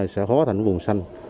sẽ hóa thành vùng xanh